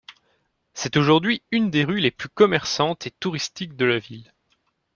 C'est aujourd'hui une des rues les plus commerçantes et touristiques de la ville.